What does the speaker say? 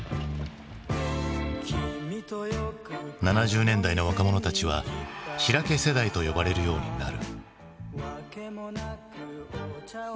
７０年代の若者たちは「しらけ世代」と呼ばれるようになる。